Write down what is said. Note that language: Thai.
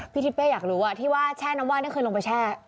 พี่ดิเย่อยากรู้ว่าที่ว่าแช่น้ำวาดนางคืนลงไปแช่